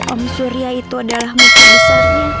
om suria itu ada di rumahnya